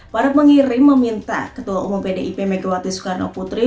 para pengirim meminta ketua umum pdip megawati soekarno putri